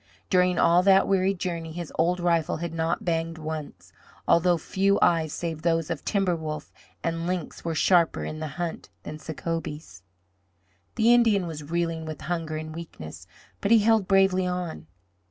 During all that weary journey his old rifle had not banged once, although few eyes save those of timberwolf and lynx were sharper in the hunt than Sacobie's. The Indian was reeling with hunger and weakness, but he held bravely on.